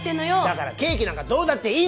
だからケーキなんかどうだっていい。